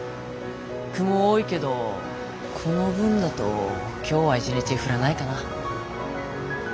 雲多いけどこの分だと今日は一日降らないかな。